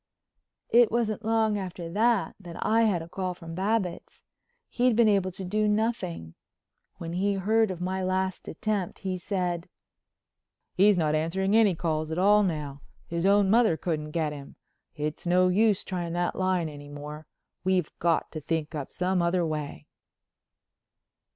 It wasn't long after that that I had a call from Babbitts. He'd been able to do nothing. When he heard of my last attempt he said: "He's not answering any calls at all now. His own mother couldn't get him. It's no use trying that line any more. We've got to think up some other way."